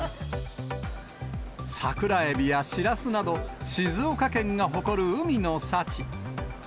桜エビやシラスなど、静岡県が誇る海の幸。